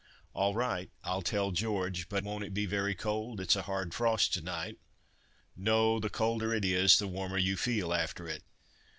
"All right—I'll tell George; but won't it be very cold? It's a hard frost to night." "No—the colder it is, the warmer you feel after it."